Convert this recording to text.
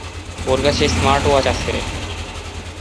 ওর কাছে স্মার্টওয়াচ আছে।